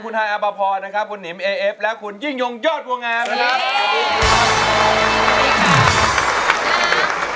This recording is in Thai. คุณฮายอัปพรนะครับคุณหนิมเอเอฟและคุณยิ่งยงยอดวงงามนะครับ